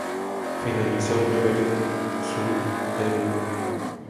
Finalizó primero su el grupo.